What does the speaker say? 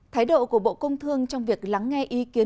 thái độ của bộ công thương trong việc lắng nghe ý kiến